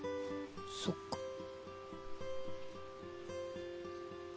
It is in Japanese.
そっか。